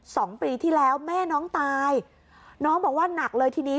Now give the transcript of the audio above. สองปีที่แล้วแม่น้องตายน้องบอกว่าหนักเลยทีนี้